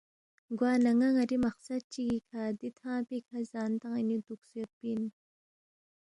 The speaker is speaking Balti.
گوانہ ن٘ا ن٘ری مقصد چِگی کھہ دی تھنگ پیکھہ زان تان٘ین دوُکسے یودپی اِن